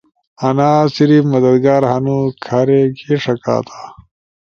انا صرف مددگار ہنو، کھارے کے ݜکاتا۔